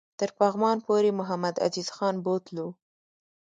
تر پغمان پوري محمدعزیز خان بوتلو.